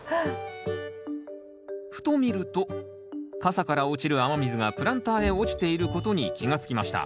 ふと見ると傘から落ちる雨水がプランターへ落ちていることに気が付きました。